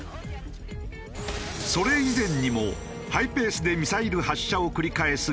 それ以前にもハイペースでミサイル発射を繰り返す